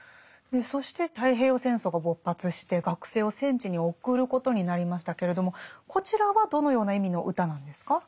そして太平洋戦争が勃発して学生を戦地に送ることになりましたけれどもこちらはどのような意味の歌なんですか？